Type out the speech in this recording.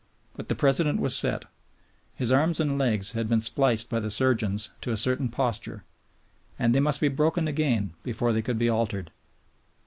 But the President was set. His arms and legs had been spliced by the surgeons to a certain posture, and they must be broken again before they could be altered.